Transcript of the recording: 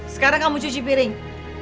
sekarang kamu cuci piring